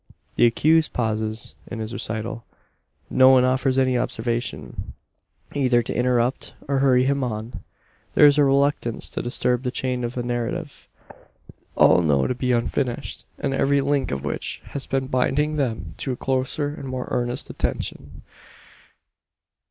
The accused pauses in his recital. No one offers any observation either to interrupt, or hurry him on. There is a reluctance to disturb the chain of a narrative, all know to be unfinished; and every link of which has been binding them to a closer and more earnest attention.